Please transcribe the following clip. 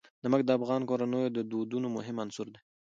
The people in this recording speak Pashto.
نمک د افغان کورنیو د دودونو مهم عنصر دی.